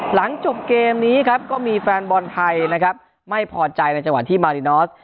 หลังจบเกมนี้ครับก็มีแฟนบอลไทยนะครับไม่พอใจในจังหวะที่มารินอส